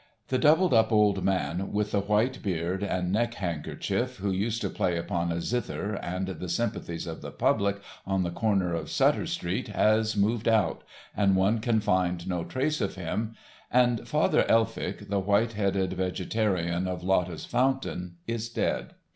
The doubled up old man with the white beard and neck handkerchief who used to play upon a zither and the sympathies of the public on the corner of Sutter street has moved out, and one can find no trace of him, and Father Elphick, the white headed vegetarian of Lotta's Fountain, is dead.